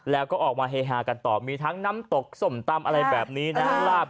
แล้วก็ออกมาเฮฮากันต่อมีทั้งน้ำตกส้มตำอะไรแบบนี้นะ